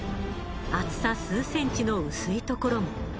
厚さ数ｃｍの薄い所も。